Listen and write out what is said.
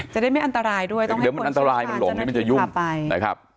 จะได้ไม่อันตรายด้วยต้องให้คนชื่นชาติเจ้าหน้าที่ขาไป